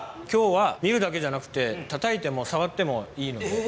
今日は見るだけじゃなくてたたいてもさわってもいいので。